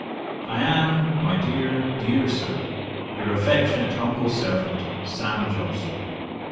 'I am, my dear, dear Sir, 'Your affectionate humble servant, 'SAM. JOHNSON.'